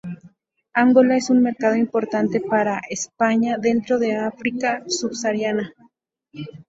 Angola es un mercado importante para España dentro de África Subsahariana.